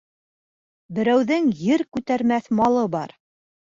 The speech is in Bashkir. Берәүҙең ер күтәрмәҫ малы бар